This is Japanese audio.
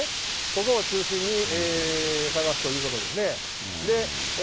ここを中心に捜すということですね。